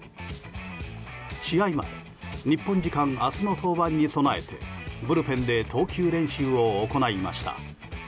試合前日本時間明日の登板に備えてブルペンで投球練習を行いました。